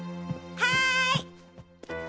はい！